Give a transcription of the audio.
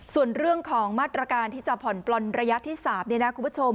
ส่วนเรื่องของมาตรการที่จะผ่อนปลนระยะที่๓เนี่ยนะคุณผู้ชม